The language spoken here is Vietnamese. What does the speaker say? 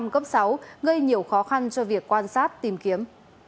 cấp sáu gây nhiều khó khăn cho việc quan sát tìm kiếm